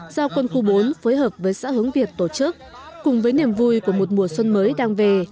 do quân khu bốn phối hợp với xã hướng việt tổ chức cùng với niềm vui của một mùa xuân mới đang về